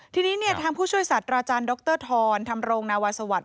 ทีนี้เนี่ยทางผู้ช่วยสัตว์อาจารย์ดรธรทำโรงนาวาสวัสดิ์